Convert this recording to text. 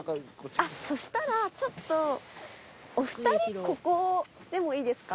あっそしたらちょっとお二人ここでもいいですか？